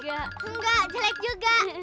enggak jelek juga